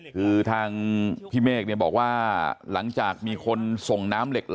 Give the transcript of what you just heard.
คือทางพี่เมฆบอกว่าหลังจากมีคนส่งน้ำเหล็ก